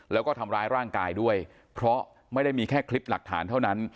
แล้วก็ทำร้ายร่างกายด้วยเพราะไม่ได้มีแค่คลิปหลักฐานเท่านั้น